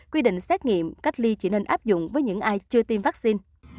quy định xét nghiệm cách ly chỉ nên áp dụng với những ai chưa tiêm vaccine